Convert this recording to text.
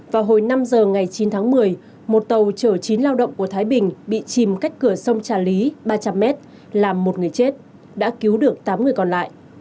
vào hồi năm giờ ngày chín tháng một mươi một tàu chở chín lao động của thái bình bị chìm cách cửa sông trà lý ba trăm linh m làm một người chết đã cứu được tám người còn lại